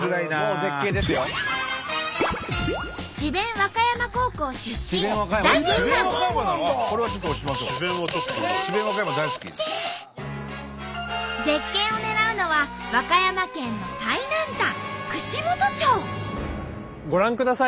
絶景を狙うのは和歌山県の最南端ご覧ください。